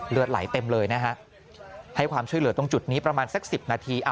เลือดไหลเต็มเลยนะฮะให้ความช่วยเหลือตรงจุดนี้ประมาณสัก๑๐นาที